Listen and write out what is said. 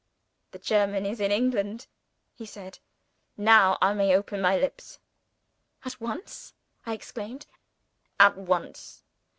"The German is in England," he said. "Now I may open my lips." "At once!" I exclaimed. "At once.